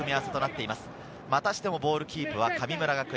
またしてもボールキープは神村学園。